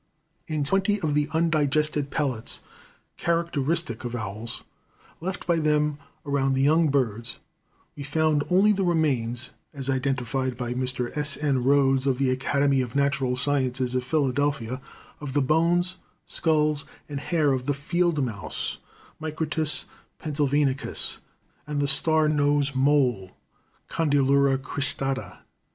In twenty of the undigested pellets, characteristic of owls, left by them around the young birds, we found only the remains, as identified by Mr. S. N. Rhoads of the Academy of Natural Sciences of Philadelphia, of the bones, skulls, and hair of the field mouse (Microtus pennsylvanicus) and star nose mole (Condylura cristata).